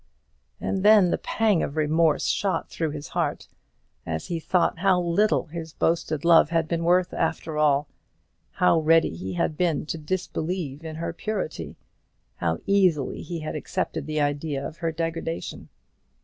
And then a pang of remorse shot through his heart, as he thought how little his boasted love had been worth, after all; how ready he had been to disbelieve in her purity; how easily he had accepted the idea of her degradation.